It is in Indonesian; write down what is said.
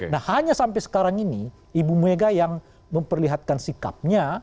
nah hanya sampai sekarang ini ibu mega yang memperlihatkan sikapnya